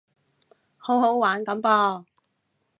好好玩噉噃